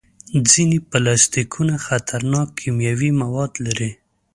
ځینې پلاستيکونه خطرناک کیمیاوي مواد لري.